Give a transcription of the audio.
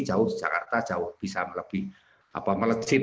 jakarta jauh bisa lebih meleceh